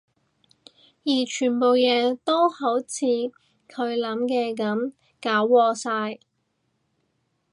而全部嘢都好似佢諗嘅噉搞禍晒